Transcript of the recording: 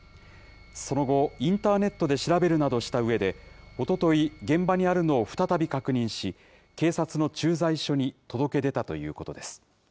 その後、インターネットで調べるなどしたうえで、おととい、現場にあるのを再び確認し、警察の駐在所に届け出たということです。